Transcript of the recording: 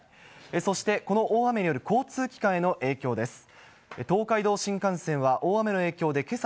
そして、この大雨による交通機関への影響です。